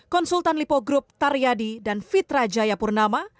konsultan lipo grup taryadi dan fitra jaya purnama